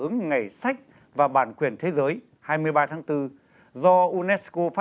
về những ngày sách và bản quyền thế giới